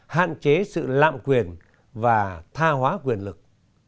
hạn chế sự lạm quyền và tha hóa quyền lực